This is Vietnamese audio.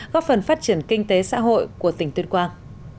góp phần phát triển kinh tế xã hội của tỉnh tuyên quang